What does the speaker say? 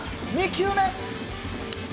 ２球目！